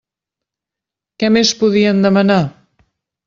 Què més podien demanar?